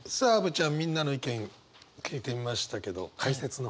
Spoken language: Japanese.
ちゃんみんなの意見聞いてみましたけど解説の方。